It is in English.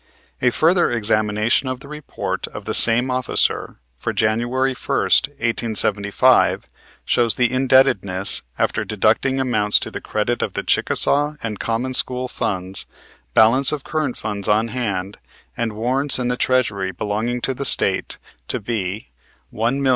A further examination of the report of the same officer, for January first, 1875, shows the indebtedness, after deducting amounts to the credit of the Chickasaw and common school funds, balance of current funds on hand and warrants in the Treasury belonging to the State, to be, $1,707,056.